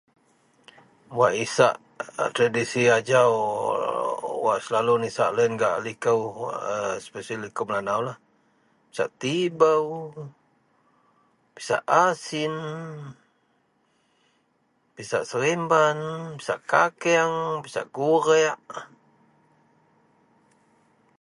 Wak isak a tradisi ajau, ..(ooo)…wak selalu nisak loyen gak likou a special likou Melanaulah, pisak tibou, pisak asin, pisak seremban, pisak kakeang, pisak gureak